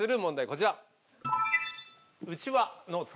こちら。